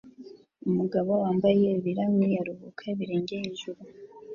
Umugabo wambaye ibirahure aruhuka ibirenge hejuru